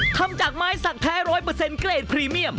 ทำจากไม้สักแท้๑๐๐เกรดพรีเมียม